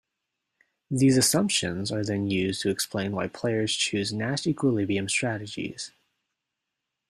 These assumptions are then used to explain why players choose Nash equilibrium strategies.